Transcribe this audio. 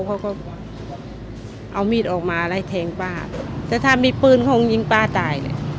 เขาก็เอามีดออกมาไล่แทงป้าแต่ถ้ามีปืนคงยิงป้าตายเลย